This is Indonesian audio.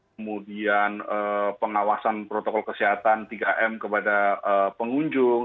kemudian pengawasan protokol kesehatan tiga m kepada pengunjung